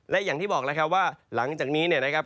และอย่างที่บอกแล้วครับว่าหลังจากนี้เนี่ยนะครับ